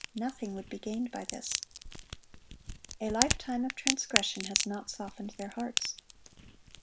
Nothing would be gained by this. A lifetime of transgression has not softened their hearts.